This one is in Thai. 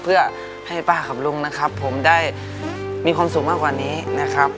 เพื่อให้ป้ากับลุงนะครับผมได้มีความสุขมากกว่านี้นะครับ